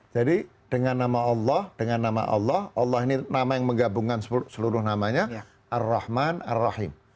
jadi dengan nama allah dengan nama allah allah ini nama yang menggabungkan seluruh namanya ar rahman ar rahim